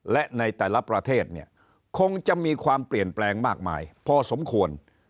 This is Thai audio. และในแต่ละประเทศเนี่ยคงจะมีความเปลี่ยนแปลงมากมายพอสมควร